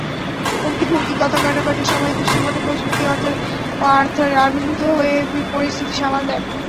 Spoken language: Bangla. হুমকি-ধমকি, কথা-কাটাকাটির সময়ই দৃশ্যপটে কোচ মিকি আর্থার আবির্ভূত হয়ে পরিস্থিতি সামাল দেন।